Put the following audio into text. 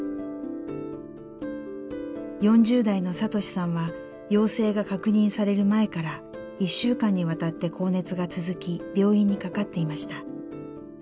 ４０代の聡士さんは陽性が確認される前から１週間にわたって高熱が続き病院にかかっていました。